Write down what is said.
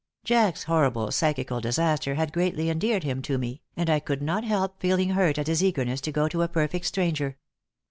Jack's horrible psychical disaster had greatly endeared him to me, and I could not help feeling hurt at his eagerness to go to a perfect stranger.